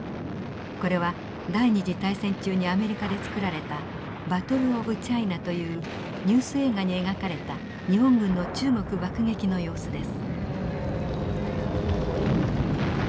これは第二次大戦中にアメリカで作られた「バトル・オブ・チャイナ」というニュース映画に描かれた日本軍の中国爆撃の様子です。